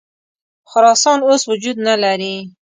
خراسان اوس وجود نه لري.